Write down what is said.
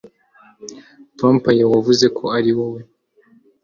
Vampire wavuze ko ariwowe